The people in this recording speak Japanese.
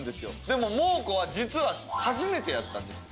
でもモー子は実は初めてやったんです。